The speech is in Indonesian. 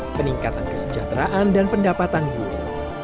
peningkatan kesejahteraan dan pendapatan budi